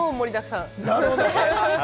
超盛りだくさん！